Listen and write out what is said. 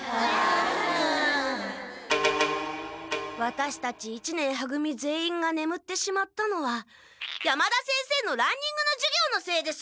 ワタシたち一年は組全員がねむってしまったのは山田先生のランニングの授業のせいです！